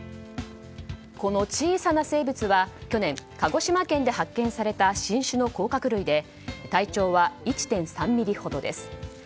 この小さな生物は去年、鹿児島県で発見された新種の甲殻類で体長は１．３ｍｍほどです。